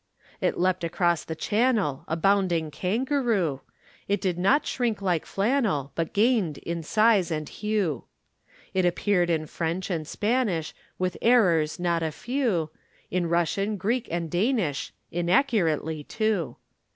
It leapt across the Channel, A bounding kangaroo. It did not shrink like flannel But gained in size and hue. It appeared in French and Spanish With errors not a few, In Russian, Greek and Danish, Inaccurately, too.